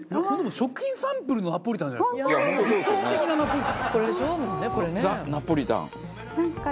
食品サンプルのナポリタンじゃないですか。